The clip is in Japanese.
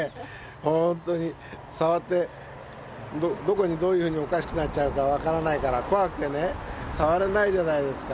本当に触ってどこにどういうふうにおかしくなっちゃうかわからないから怖くてね触れないじゃないですか。